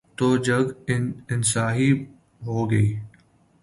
تو جگ ہنسائی ہو گی۔